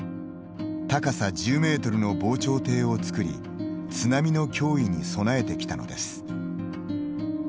高さ１０メートルの防潮堤を造り津波の脅威に備えてきたのです。